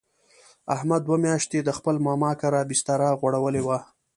احمد دوه میاشتې د خپل ماما کره بستره غوړولې وه.